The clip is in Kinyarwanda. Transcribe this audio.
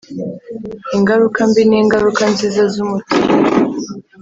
ingaruka mbi n'ingaruka nziza z'umuti